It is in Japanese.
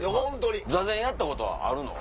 坐禅やったことはあるの？